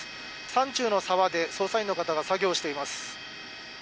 山中の沢で捜査員の方が作業をしています。